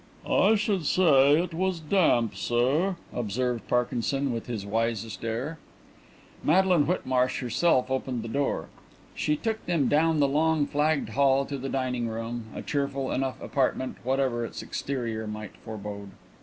"I should say it was damp, sir," observed Parkinson, with his wisest air. Madeline Whitmarsh herself opened the door. She took them down the long flagged hall to the dining room, a cheerful enough apartment whatever its exterior might forebode.